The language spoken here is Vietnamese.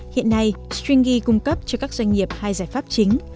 hiện nay stringy cung cấp cho các doanh nghiệp hai giải pháp chính